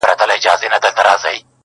د رژېدلو باڼوگانو سره مينه لري_